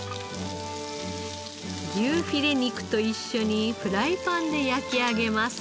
牛フィレ肉と一緒にフライパンで焼き上げます。